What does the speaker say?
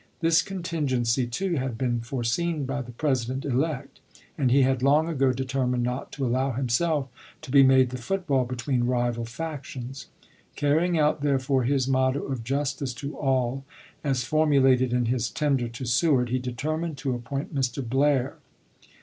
This contingency, too, had been foreseen by the President elect, and he had long ago determined not to allow himself to be made the football between rival factions. Carrying out, therefore, his motto of " Justice to all," as formu lated in his tender to Seward, he determined to appoint Mr. Blair.